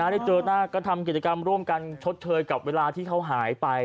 ได้เจอหน้าก็ทำกิจกรรมร่วมกันชดเชยกับเวลาที่เขาหายไป